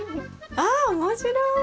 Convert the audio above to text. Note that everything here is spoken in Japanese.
あっ面白い！